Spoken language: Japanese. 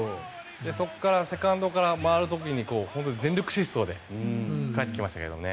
そこからセカンドから回る時に本当に全力疾走でかえってきましたけどね。